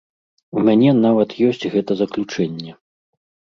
У мяне нават ёсць гэта заключэнне.